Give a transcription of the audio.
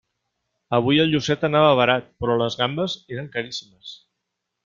Avui el llucet anava barat, però les gambes eren caríssimes.